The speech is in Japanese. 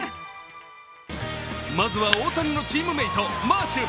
まずは大谷のチームメート、マーシュ。